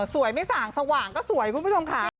ไม่ส่างสว่างก็สวยคุณผู้ชมค่ะ